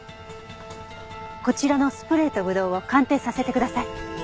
こちらのスプレーとぶどうを鑑定させてください。